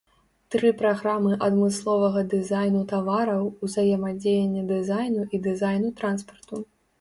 Тры праграмы адмысловага дызайну тавараў, узаемадзеяння дызайну і дызайну транспарту.